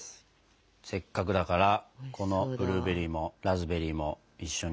せっかくだからこのブルーベリーもラズベリーも一緒にいただきたい。